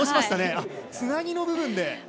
つなぎの部分で。